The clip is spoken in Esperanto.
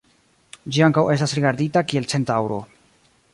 Ĝi ankaŭ estas rigardita kiel centaŭro.